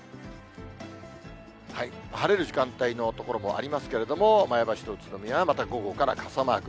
晴れる時間帯の所もありますけれども、前橋の宇都宮はまた午後から傘マーク。